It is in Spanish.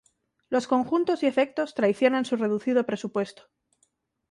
Los conjuntos y efectos traicionan su reducido presupuesto".